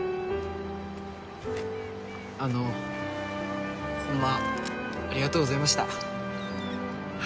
あのホンマありがとうございました